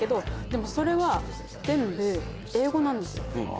でもそれは全部英語なんです。